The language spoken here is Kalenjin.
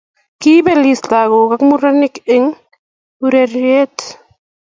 Kiipelis lakok ak murenik eng ureriet